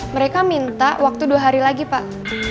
mereka minta waktu dua hari lagi pak